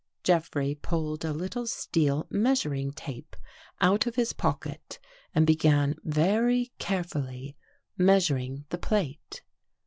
Jeffrey pulled a little steel measuring tape out of his pocket and began, very carefully, measuring the plate.